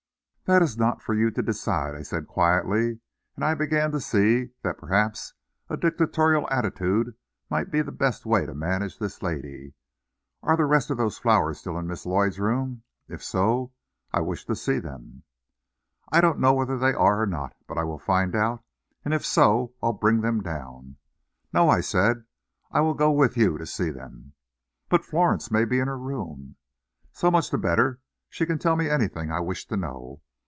"That is not for you to decide," I said quietly, and I began to see that perhaps a dictatorial attitude might be the best way to manage this lady. "Are the rest of those flowers still in Miss Lloyd's room? If so I wish to see them." "I don't know whether they are or not; but I will find out, and if so I'll bring them down." "No," I said, "I will go with you to see them." "But Florence may be in her room." "So much the better. She can tell me anything I wish to know."